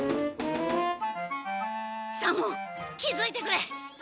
左門気づいてくれ。